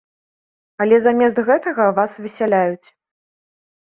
Але замест гэтага вас высяляюць.